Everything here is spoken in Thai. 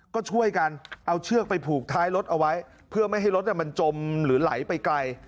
ก็ช่วยกันเอาเชือกไปผูกท้ายรถเอาไว้เพื่อไม่ให้รถมันจมหรือไหลไปไกล